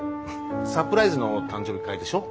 サプライズの誕生日会でしょ？